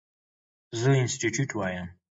زه انسټيټيوټ وایم.